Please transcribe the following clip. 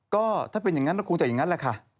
ก็ถ้าเป็นอย่างนั้นก็คงจะอย่างนั้นแหละค่ะ